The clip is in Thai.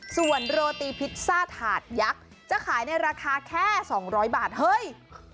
ส่วนโรตีพิซซ่าถาดยักษ์จะขายในราคาแค่๒๐๐บาทเฮ้ย